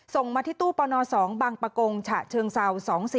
ส่งมาที่ตู้ปน๒บังปะกงฉะเชิงเศร้า๒๔